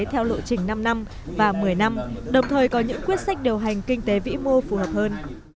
theo lộ trình năm năm và một mươi năm đồng thời có những quyết sách điều hành kinh tế vĩ mô phù hợp hơn